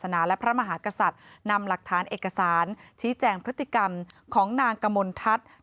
นาและพระมหากษัตริย์นำหลักฐานเอกสารชี้แจงพฤติกรรมของนางกมลทัศน์